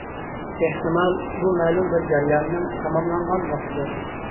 ئېھتىمال بۇ مەلۇم بىر جەرياننىڭ تاماملانغان ۋاقتىدۇر.